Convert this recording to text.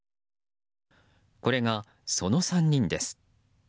これがその３人です。